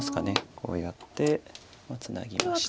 こうやってツナぎまして。